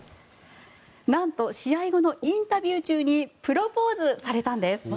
なんと試合後のインタビュー中にプロポーズされたんです。